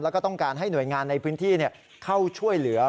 แล้วก็ต้องการให้หน่วยงานในพื้นที่เข้าช่วยเหลือ